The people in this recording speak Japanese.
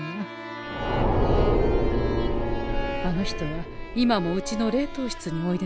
あの人は今もうちの冷凍室においででござんすね？